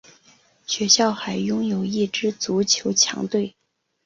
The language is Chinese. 学校还拥有一支足球强队。